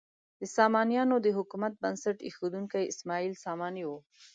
د سامانیانو د حکومت بنسټ ایښودونکی اسماعیل ساماني و.